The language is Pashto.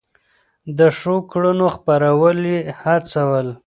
د ښو کړنو خپرول يې هڅول.